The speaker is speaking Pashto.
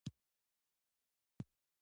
د زمرد کان په پنجشیر کې دی